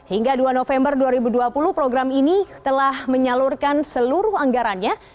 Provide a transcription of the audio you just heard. hingga dua november dua ribu dua puluh program ini telah menyalurkan seluruh anggarannya